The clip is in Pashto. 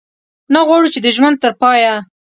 نه غواړو چې د ژوند تر پایه.